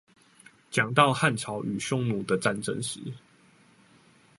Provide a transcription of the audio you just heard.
講到漢朝與匈奴的戰爭時